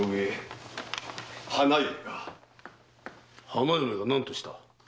花嫁が何とした？